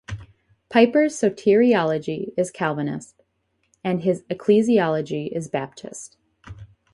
Piper's soteriology is Calvinist, and his ecclesiology is Baptist.